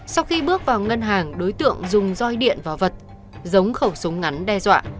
sau khi bước vào ngân hàng đối tượng dùng roi điện vào vật giống khẩu súng ngắn đe dọa